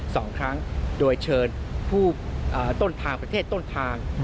สองครั้งโดยเชิญผู้ต้นทางประเทศต้นทาง